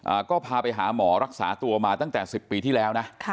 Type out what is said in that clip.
อ่าก็พาไปหาหมอรักษาตัวมาตั้งแต่สิบปีที่แล้วนะค่ะ